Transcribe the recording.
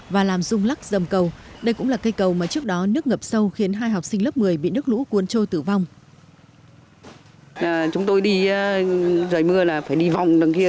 và làm rung lắc dầm cầu đây cũng là cây cầu mà trước đó nước ngập sâu khiến hai học sinh lớp một mươi bị nước lũ cuốn trôi tử vong